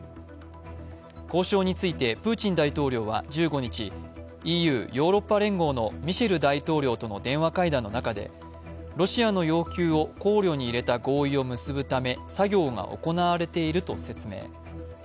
交渉についてプーチン大統領は１５日、ＥＵ＝ヨーロッパ連合のミシェル大統領との電話会談の中でロシアの要求を考慮に入れた合意を結ぶため作業が行われていると説明。